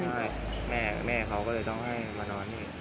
ใช่แม่เขาก็เลยต้องให้มานอนนี่